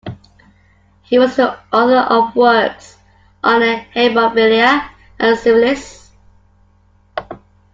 He was the author of works on haemophilia and syphilis.